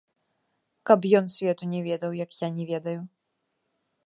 Каб ён свету не ведаў, як я не ведаю.